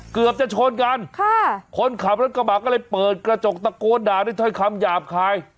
เกือบจะชนกันค่ะคนขับรถกระบะก็เลยเปิดกระจกตะโกนด่าด้วยถ้อยคำหยาบคาย